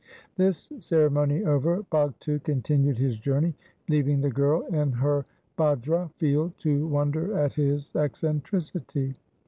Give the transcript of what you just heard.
This cere mony over, Bhagtu continued his journey, leaving the girl in her bajra field to wonder at his eccentricity.